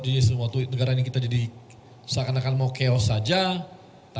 pemilu umum yang sudah dipercayai pasangan nomor urut satu